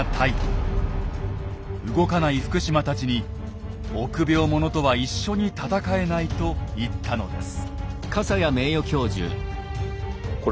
動かない福島たちに臆病者とは一緒に戦えないと言ったのです。